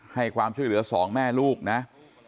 ให้ความช่วยเหลือสองแม่ลูกนะ